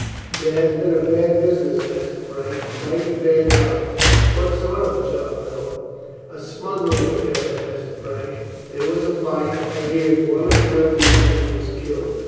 "There has been a bad business, Master Frank, a mighty bad job." "What sort of a job, Bill?" "A smuggling affair, Master Frank. There was a fight. I hears one of the revenue men was killed.